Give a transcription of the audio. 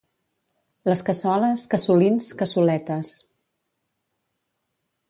Les cassoles, cassolins, cassoletes